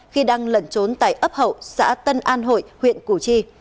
khi đang lẩn trốn tại ấp hậu xã tân an hội huyện củ chi